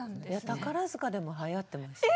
宝塚でもはやってました。